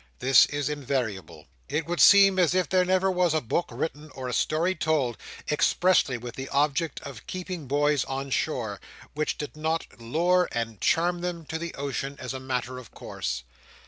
This is invariable. It would seem as if there never was a book written, or a story told, expressly with the object of keeping boys on shore, which did not lure and charm them to the ocean, as a matter of course.